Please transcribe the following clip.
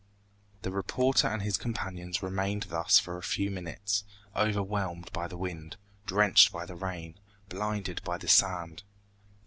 The reporter and his companions remained thus for a few minutes, overwhelmed by the wind, drenched by the rain, blinded by the sand.